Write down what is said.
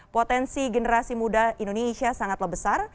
potensi generasi muda indonesia sangatlah besar